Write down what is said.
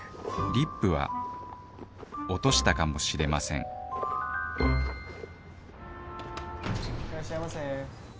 リップは落としたかもしれませんいらっしゃいませ。